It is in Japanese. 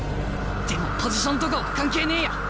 でもポジションとかは関係ねえや。